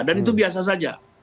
dan itu biasa saja